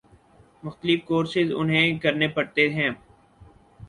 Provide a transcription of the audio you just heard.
مختلف کورسز انہیں کرنے پڑتے ہیں۔